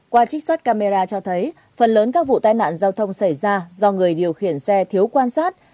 qua trích xuất camera cho thấy phần lớn các vụ tai nạn giao thông xảy ra do người điều khiển xe thiếu quan sát